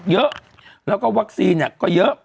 เยอะแล้วก็วัคซีนก็เยอะ